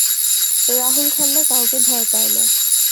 রাহুল খান্না কাউকে ভয় পায় না।